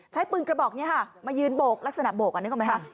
ใช้ปืนกระบอกนี้ค่ะมายืนโบกลักษณะโบกนึกออกไหมคะ